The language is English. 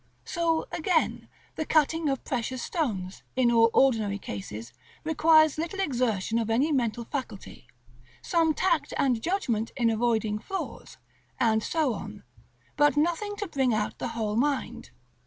§ XVIII. So, again, the cutting of precious stones, in all ordinary cases, requires little exertion of any mental faculty; some tact and judgment in avoiding flaws, and so on, but nothing to bring out the whole mind.